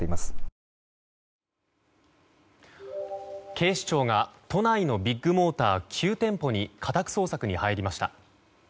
警視庁が都内のビッグモーター９店舗に家宅捜索に入りました。